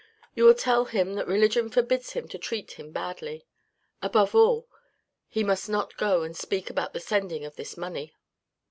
You will tell him that religion forbids him to treat him badly, above all, he must not go and speak about the sending of this money."